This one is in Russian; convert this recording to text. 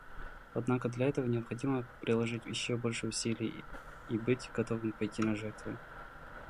Однако для этого необходимо приложить еще больше усилий и быть готовым пойти на жертвы.